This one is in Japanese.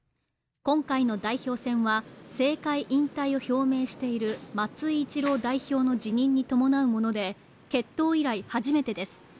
今回の代表選は、政界引退を表明している松井一郎代表の辞任に伴うもので結党以来初めてです。